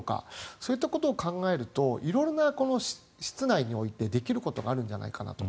そういったことを考えると色んな、室内においてできることがあるんじゃないかと。